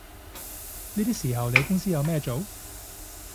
呢啲時候你喺公司有咩做